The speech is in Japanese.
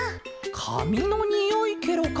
かみのにおいケロか。